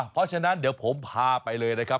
เพราะฉะนั้นเดี๋ยวผมพาไปเลยนะครับ